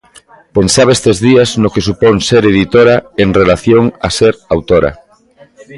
Pensaba estes días no que supón ser editora en relación a ser autora.